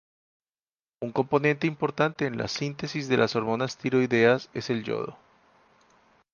Un componente importante en la síntesis de las hormonas tiroideas es el yodo.